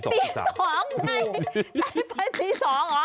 สองไอ้ไอ้ไปตีสองเหรอ